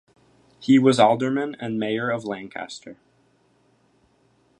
He was alderman and mayor of Lancaster.